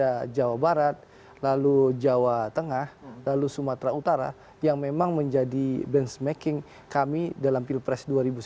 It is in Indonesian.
ada jawa barat lalu jawa tengah lalu sumatera utara yang memang menjadi benchmarking kami dalam pilpres dua ribu sembilan belas